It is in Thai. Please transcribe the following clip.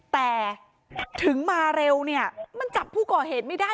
แต่ถึงมาเร็วเนี่ยมันจับผู้ก่อเหตุไม่ได้